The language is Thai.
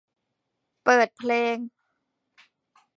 เปิดเพลง